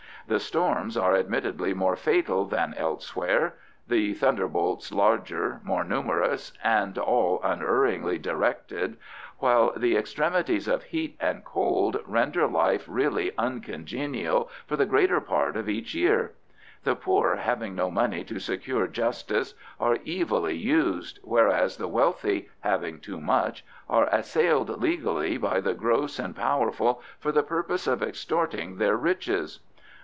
The storms are admittedly more fatal than elsewhere, the thunderbolts larger, more numerous, and all unerringly directed, while the extremities of heat and cold render life really uncongenial for the greater part of each year. The poor, having no money to secure justice, are evilly used, whereas the wealthy, having too much, are assailed legally by the gross and powerful for the purpose of extorting their riches.